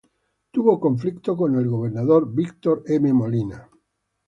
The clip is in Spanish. Tuvo conflictos con el gobernador Víctor M. Molina.